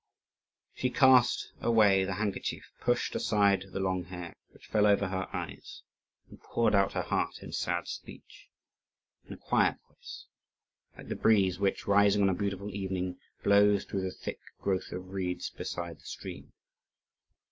She cast away the handkerchief, pushed aside the long hair which fell over her eyes, and poured out her heart in sad speech, in a quiet voice, like the breeze which, rising on a beautiful evening, blows through the thick growth of reeds beside the stream.